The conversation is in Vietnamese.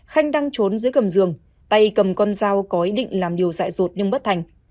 khanh đang trốn dưới cầm giường tay cầm con dao có ý định làm điều dạy rột nhưng bất thành